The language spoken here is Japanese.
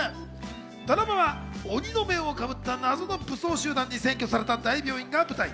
ドラマは鬼の面をかぶった謎の武装集団に占拠された大病院が舞台。